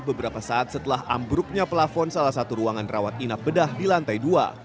beberapa saat setelah ambruknya pelafon salah satu ruangan rawat inap bedah di lantai dua